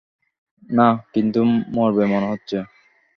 না, কিন্তু মরবে মনে হচ্ছে।